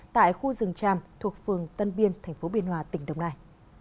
tại khu rừng tràm thuộc phường tân biên tp biên hòa tỉnh đồng nai